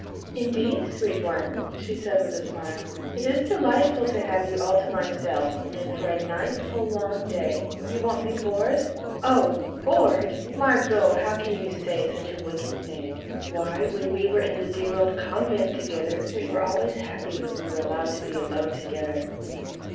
"Indeed, sweet one," she said with a smile, "it is delightful to have you all to myself, and for a nice whole long day. ... You won't be bored?" "Oh! bored! Margot, how can you say such a wicked thing. Why! when we were in the dear old convent together, we were always happy when we were allowed to be alone together."